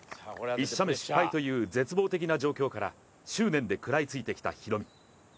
１射目、失敗という絶望的な状況から執念で食らいついてきたヒロミ。